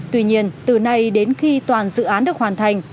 tuy nhiên từ nay đến khi toàn dự án được hoàn thành